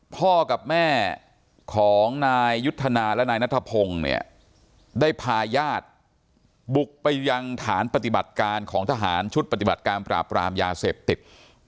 พ่อกับแม่ของนายยุทธนาและนายนัทพงศ์เนี่ยได้พาญาติบุกไปยังฐานปฏิบัติการของทหารชุดปฏิบัติการปราบรามยาเสพติด